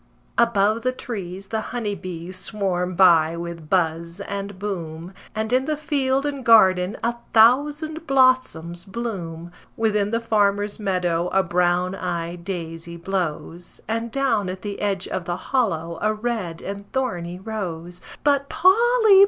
Above the trees the honey bees swarm by with buzz and boom, And in the field and garden a thousand blossoms bloom. Within the farmer's meadow a brown eyed daisy blows, And down at the edge of the hollow a red and thorny rose. But Polly!